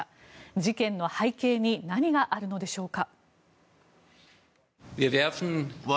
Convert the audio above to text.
事件の背景に何があるのでしょうか。